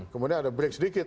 kemudian ada break sedikit